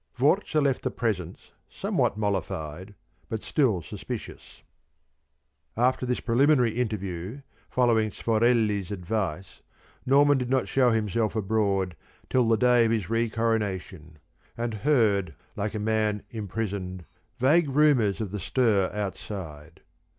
Vorza left the presence somewhat mollified but still suspicious. After this preliminary interview, following Sforelli's advice, Norman did not show himself abroad till the day of his re coronation: and heard like a man imprisoned vague rumours of the stir outside.